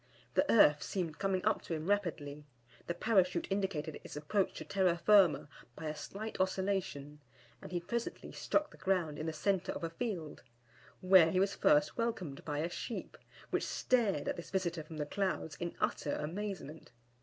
The earth seemed coming up to him rapidly; the Parachute indicated its approach to terra, firma by a slight oscillation, and he presently struck the ground in the centre of a field, where he was first welcomed by a sheep, which stared at this visitor from the clouds in utter amazement.